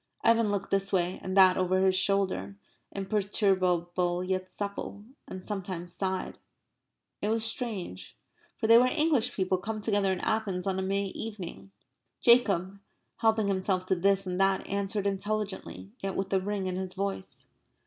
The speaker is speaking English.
Evan looked this way and that over his shoulder; imperturbable yet supple; and sometimes sighed. It was strange. For they were English people come together in Athens on a May evening. Jacob, helping himself to this and that, answered intelligently, yet with a ring in his voice.